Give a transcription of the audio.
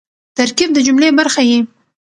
ترکیب د جملې برخه يي.